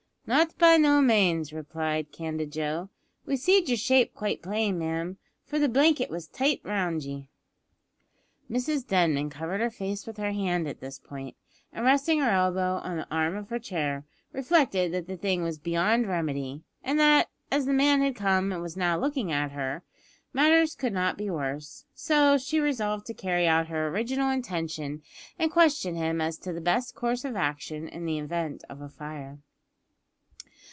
"Not by no manes," replied the candid Joe. "We seed your shape quite plain, ma'am, for the blankit was tight round ye." Mrs Denman covered her face with her hand at this point, and resting her elbow on the arm of her chair, reflected that the thing was beyond remedy, and that, as the man had come and was now looking at her, matters could not be worse; so she resolved to carry out her original intention, and question him as to the best course of action in the event of fire.